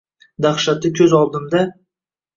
Dahshati ko’z oldimda